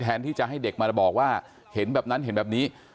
ที่จะให้เด็กมาบอกว่าเห็นแบบนั้นเห็นแบบนี้